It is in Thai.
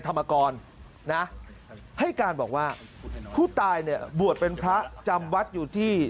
ธรรมกรนะให้การบอกว่าผู้ตายเนี่ยบวชเป็นพระจำวัดอยู่ที่